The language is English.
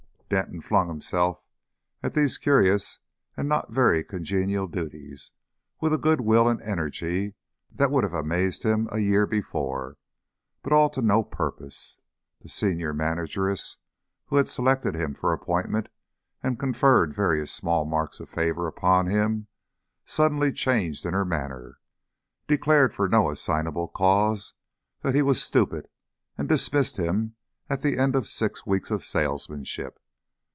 Denton flung himself at these curious and not very congenial duties with a good will and energy that would have amazed him a year before; but all to no purpose. The Senior Manageress, who had selected him for appointment and conferred various small marks of favour upon him, suddenly changed in her manner, declared for no assignable cause that he was stupid, and dismissed him at the end of six weeks of salesmanship.